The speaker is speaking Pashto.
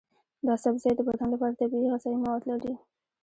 دا سبزی د بدن لپاره طبیعي غذایي مواد لري.